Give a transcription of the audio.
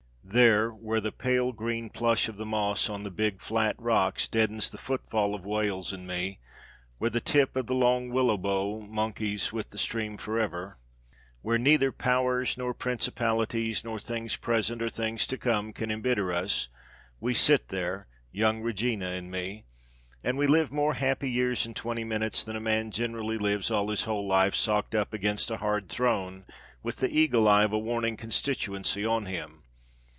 There, where the pale green plush of the moss on the big flat rocks deadens the footfall of Wales and me, where the tip of the long willow bough monkeys with the stream forever, where neither powers nor principalities, nor things present or things to come, can embitter us, we sit there, young Regina and me, and we live more happy years in twenty minutes than a man generally lives all his whole life socked up against a hard throne with the eagle eye of a warning constituency on him.